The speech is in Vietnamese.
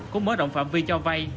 của mớ động phạm vi cho vai